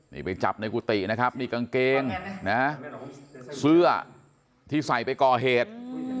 นี่ไปจับในกุฏินะครับนี่กางเกงนะฮะเสื้อที่ใส่ไปก่อเหตุ